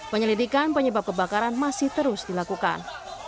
penyelidikan penyebab kebakaran masih terus dilakukan